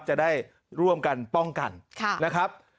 จะได้ร่วมกันป้องกันนะครับ